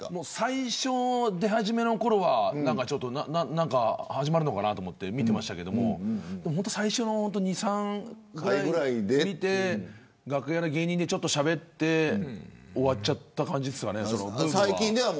最初の出始めのころは何か始まるのかと思って見ていましたが最初の２、３回見て楽屋で芸人でちょっとしゃべって終わっちゃった感じです。